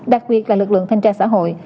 đặc biệt là lực lượng thanh tra xã hội